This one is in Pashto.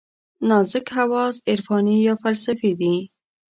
نازک حواس عرفاني یا فلسفي دي.